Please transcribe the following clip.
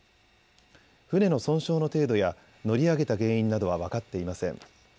船の損傷の程度や乗り上げた原因などは分かっていません。